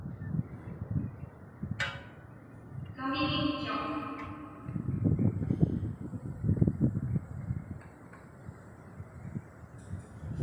Kamiŋitchuq.